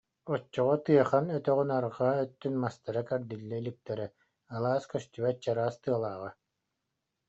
Оччоҕо Тыахан өтөҕүн арҕаа өттүн мастара кэрдиллэ иликтэрэ, алаас көстүбэт чараас тыалааҕа